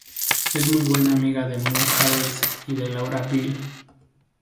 Es muy buena amiga de Mo Harris y de Laura Beale.